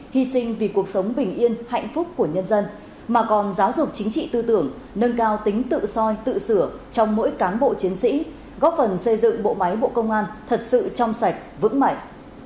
hy sinh vì cuộc sống bình yên hạnh phúc của nhân dân mà còn giáo dục chính trị tư tưởng nâng cao tính tự soi tự sửa trong mỗi cán bộ chiến sĩ góp phần xây dựng bộ máy bộ công an thật sự trong sạch vững mạnh